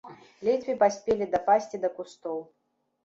Ледзьве паспелі дапасці да кустоў.